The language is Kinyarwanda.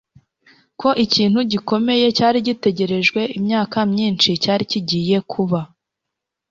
ko ikintu gikomeye cyari gitegerejwe imyaka myinshi cyari kigiye kuba.